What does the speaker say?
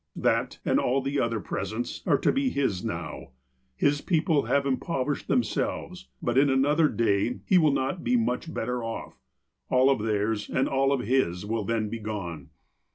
That, and all the other presents, are to be his now. His people have Impoverished themselves. But in an other day he will not be much better off. All of theirs, and all of his, will then be gone.